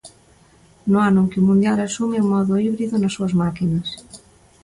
No ano en que o mundial asume o modo híbrido nas súas máquinas.